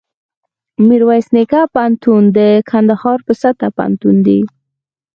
میرویس نیکه پوهنتون دکندهار په سطحه پوهنتون دی